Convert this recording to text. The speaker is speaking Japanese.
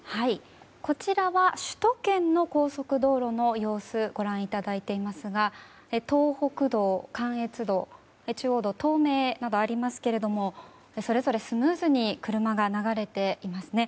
こちらは首都圏の高速道路の様子をご覧いただいていますが東北道、関越道中央道、東名などありますけれどもそれぞれスムーズに車が流れていますね。